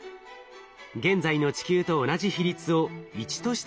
現在の地球と同じ比率を１として示しています。